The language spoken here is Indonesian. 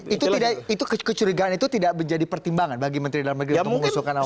itu tidak itu kecurigaan itu tidak menjadi pertimbangan bagi menteri dalam negeri untuk mengusulkan pak erawan